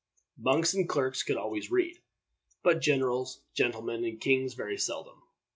Monks and clerks could always read, but generals, gentlemen, and kings very seldom.